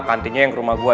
kantinnya yang ke rumah gue